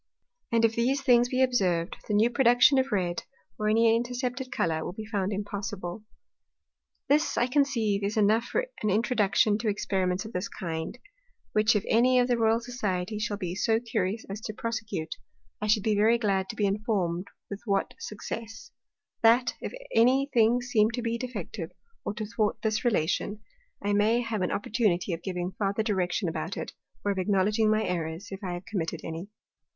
And if these things be observed, the new Production of red, or any intercepted Colour, will be found impossible. This, I conceive, is enough for an Introduction to Experiments of this kind; which if any of the Royal Society shall be so curious as to prosecute, I should be very glad to be informed with what success: That, if any thing seem to be defective, or to thwart this Relation, I may have an opportunity of giving farther Direction about it, or of acknowledging my Errors, if I have committed any.